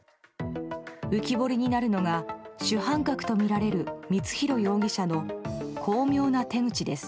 浮き彫りになるのが主犯格とみられる光弘容疑者の巧妙な手口です。